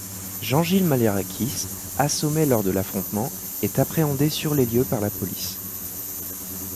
Jean-Gilles Malliarakis, assommé lors de l'affrontement, est appréhendé sur les lieux par la police.